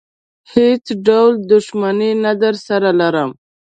هېڅ ډول دښمني نه درسره لرم.